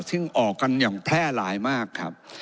ซึ่งออกกันอย่างแพร่หลายมากครับ